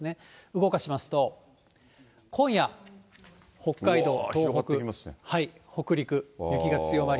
動かしますと、今夜、北海道、東北、北陸、雪が強まり。